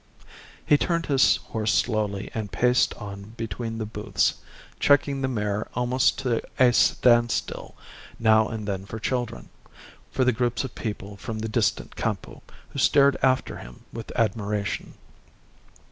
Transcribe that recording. He turned his horse slowly, and paced on between the booths, checking the mare almost to a standstill now and then for children, for the groups of people from the distant Campo, who stared after him with admiration.